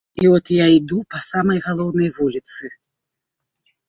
І от я іду па самай галоўнай вуліцы.